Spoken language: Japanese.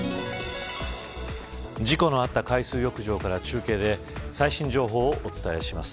事故のあった海水浴場から中継で最新情報をお伝えします。